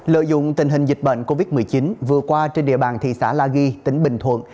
lợi dụng tình hình dịch bệnh covid một mươi chín vừa qua trên địa bàn thị xã la ghi tỉnh bình thuận